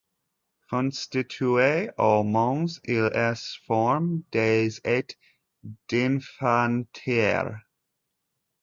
Constitué au Mans, il est formé des et d'infanterie.